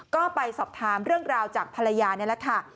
ก็ไปสอบถามเรื่องราวจากภรรยานี่แหละค่ะ